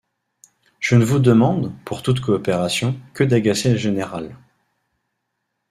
Je ne vous demande, pour toute coopération, que d’agacer le général.